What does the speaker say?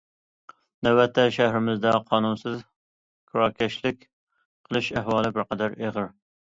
نۆۋەتتە شەھىرىمىزدە قانۇنسىز كىراكەشلىك قىلىش ئەھۋالى بىر قەدەر ئېغىر.